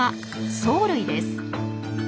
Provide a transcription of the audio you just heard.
藻類です。